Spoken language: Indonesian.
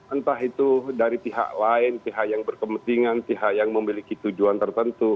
entah itu dari pihak lain pihak yang berkepentingan pihak yang memiliki tujuan tertentu